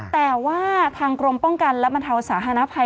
แต่ว่าทางกรมป้องกันและบรรเทาสาธารณภัย